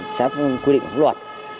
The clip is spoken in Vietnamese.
chấp quy định luật